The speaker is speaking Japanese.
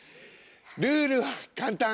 ルールは簡単！